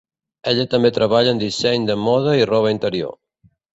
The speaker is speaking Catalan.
Ella també treballa en disseny de moda i roba interior.